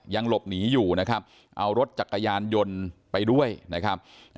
ยังหลบหนีอยู่นะครับเอารถจักรยานยนต์ไปด้วยนะครับ